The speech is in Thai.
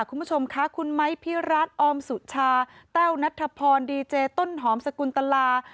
คุณผู้ชมค่ะคุณไม้พิรัตนออมสุชาแต้วนัทพรดีเจต้นหอมสกุลตลา